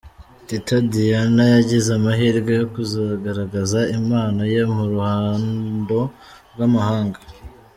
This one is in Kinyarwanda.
Teta Diana yagize amahirwe yo kuzagaragaza impano ye mu ruhando rw'amahanga.